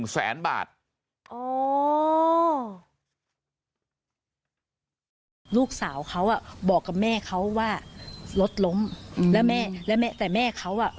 ลูกสาวเขาอ่ะบอกกับแม่เขาว่ารถล้มแล้วแม่แล้วแม่แต่แม่เขาอ่ะ